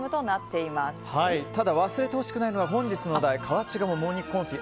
ただ、忘れてほしくないのが本日のお題河内鴨もも肉コンフィ